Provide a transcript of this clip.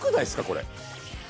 これ。